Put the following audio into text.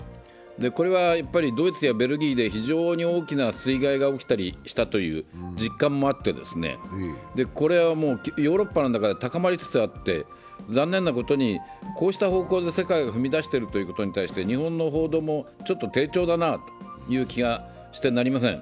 これはドイツやベルギーで非常に大きな水害が起きたという実感もあって、これはヨーロッパの中で高まりつつあって、残念なことに、こうした方向で世界が踏み出していることに対して日本の報道もちょっと低調だなという気がしてなりません。